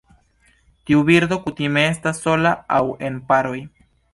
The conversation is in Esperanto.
Tiu birdo kutime estas sola aŭ en paroj.